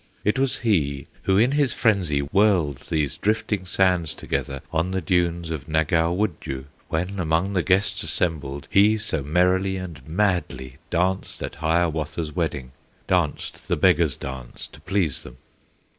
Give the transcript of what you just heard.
It was he who in his frenzy Whirled these drifting sands together, On the dunes of Nagow Wudjoo, When, among the guests assembled, He so merrily and madly Danced at Hiawatha's wedding, Danced the Beggar's Dance to please them.